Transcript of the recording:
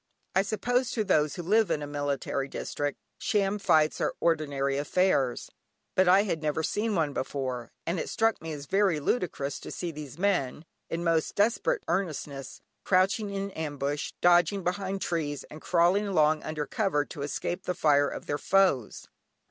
I suppose to those who live in a military district, sham fights are ordinary affairs, but I had never seen one before, and it struck me as very ludicrous to see these men, in most desperate earnestness, crouching in ambush, dodging behind trees, and crawling along under cover to escape the fire of their foes.